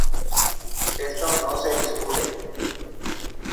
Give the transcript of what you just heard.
Esto no se discute.